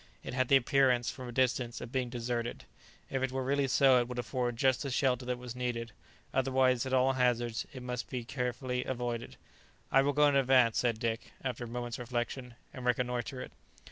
It had the appearance, from a distance, of being deserted; if it were really so, it would afford just the shelter that was needed; otherwise, at all hazards, it must be most carefully avoided. "I will go in advance," said Dick, after a moment's reflection, "and reconnoitre it."